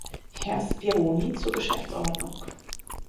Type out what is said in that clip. Herr Speroni zur Geschäftsordnung.